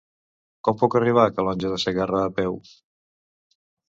Com puc arribar a Calonge de Segarra a peu?